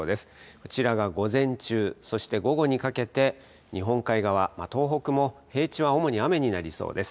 こちらが午前中、そして午後にかけて、日本海側、東北も平地は主に雨になりそうです。